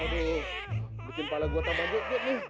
aduh bikin kepala gue tabahin